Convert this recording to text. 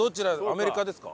アメリカですか？